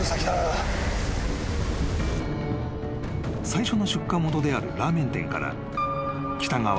［最初の出火元であるラーメン店から北側